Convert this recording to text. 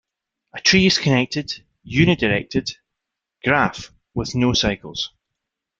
A tree is a connected undirected graph with no cycles.